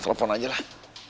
telepon aja lah